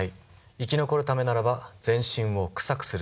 生き残るためならば全身を臭くする。